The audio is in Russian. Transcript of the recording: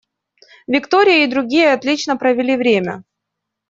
Виктория и другие отлично провели время.